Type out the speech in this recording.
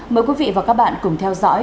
mời quý vị và các bạn cùng theo dõi